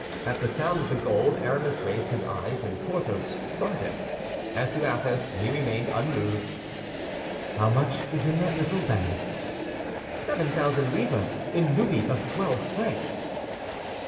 At the sound of the gold Aramis raised his eyes and Porthos started. As to Athos, he remained unmoved. "How much in that little bag?" "Seven thousand livres, in louis of twelve francs."